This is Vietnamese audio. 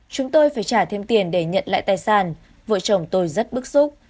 chúng tôi phải trả thêm tiền để nhận lại tài sản vợ chồng tôi rất bức xúc